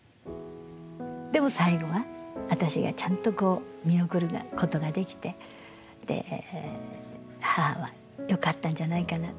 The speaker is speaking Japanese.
でも最後は私がちゃんとこう見送ることができてで母はよかったんじゃないかなって。